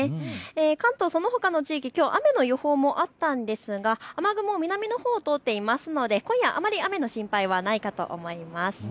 関東そのほかの地域、きょう雨の予報もあったんですが雨雲、南のほうを通っていますので今夜、あまり雨の心配はないかと思います。